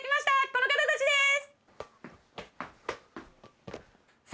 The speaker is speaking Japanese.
この方たちです！